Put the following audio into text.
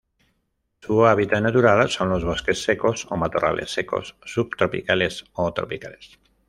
Su hábitat natural son los bosques secos o matorrales secos subtropicales o tropicales.